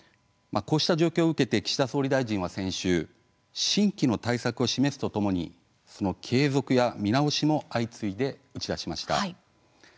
こうした状況を受けて岸田総理大臣は先週新規の対策を示すとともに継続や見直しも相次いで打ち出しました。